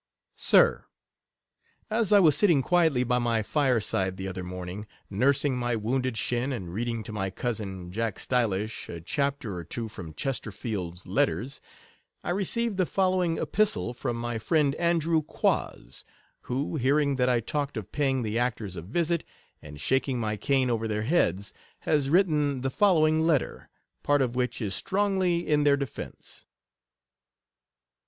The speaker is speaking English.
Sir, As I was sitting quietly by my tire side the other morning, nursing my wounded shin, and reading to my cousin, Jack Stylish, a chapter or two from Chesterfield's Letters, I received the following epistle from my friend Andrew Quoz; who, hearing that I talked of paying the actors a visit, and shaking my cane over their heads, has written the follow ing letter, part of which is strongly in their defence.